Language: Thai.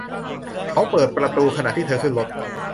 เขาเปิดประตูขณะที่เธอขึ้นรถ